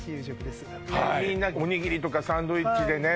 おにぎりとかサンドイッチでね